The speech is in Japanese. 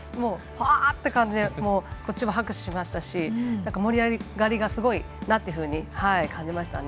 わーって感じでこっちも拍手しましたし盛り上がりがすごいなというふうに感じましたね。